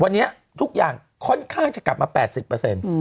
วันนี้ทุกอย่างค่อนข้างจะกลับมา๘๐เปอร์เซ็นต์